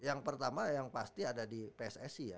yang pertama yang pasti ada di pssi